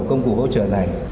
công cụ hỗ trợ này